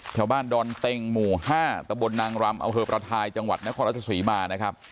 ชาวบ้านดอนเต็งหมู่ห้าตะบลนางรำเอาเหิบระทายจังหวัดนครรศสุริมานะครับ